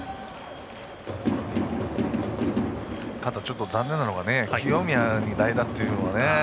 ただ、ちょっと残念なのが清宮に代打っていうのがね。